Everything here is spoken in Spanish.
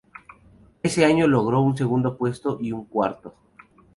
Ese año logró un segundo puesto y un cuarto.